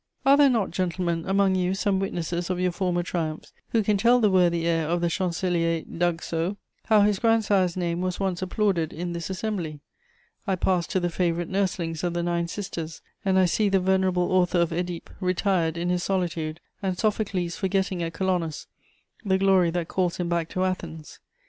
Are there not, gentlemen, among you some witnesses of your former triumphs who can tell the worthy heir of the Chancelier d'Aguesseau how his grandsire's name was once applauded in this assembly? I pass to the favourite nurselings of the nine Sisters, and I see the venerable author of Œdipe retired in his solitude and Sophocles forgetting at Colonos the glory that calls him back to Athens.